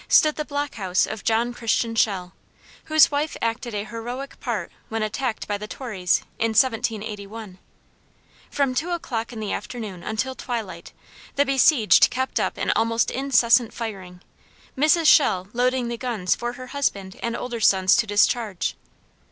stood the block house of John Christian Shell, whose wife acted a heroic part when attacked by the Tories, in 1781. From two o'clock in the afternoon until twilight, the besieged kept up an almost incessant firing, Mrs. Shell loading the guns for her husband and older sons to discharge.